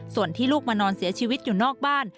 ส่วนที่ลูกมานอนเสียชีวิตอยู่นอกบ้าน